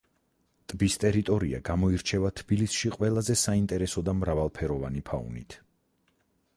ტბის ტერიტორია გამოირჩევა თბილისში ყველაზე საინტერესო და მრავალფეროვანი ფაუნით.